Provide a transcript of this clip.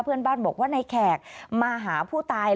เพื่อนบ้านบอกว่าในแขกมาหาผู้ตาย